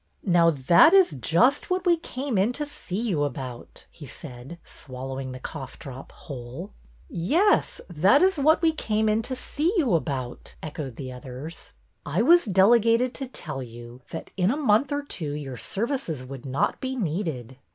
" Now, that is just what we came in to see you about," he said, swallowing the coughdrop whole, « SHOCKINGLY YOUNG'' 223 Yes, that is what we came in to see you about," echoed the others. I was delegated to tell you that in a month or two your services would not be needed."